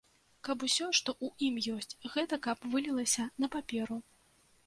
Каб усё, што ў ім ёсць, гэта каб вылілася на паперу.